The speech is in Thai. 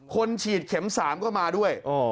คนฉีดเข็มสามก็มาด้วย